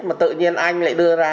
mà tự nhiên anh lại đưa ra